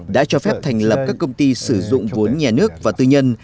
đã cho phép thành lập các công ty sử dụng vốn nhà nước và tư nhân